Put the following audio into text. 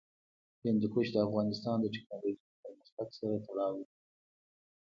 هندوکش د افغانستان د تکنالوژۍ پرمختګ سره تړاو لري.